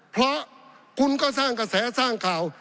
เพราะคุณก็สร้างกระแสสร้างข่าว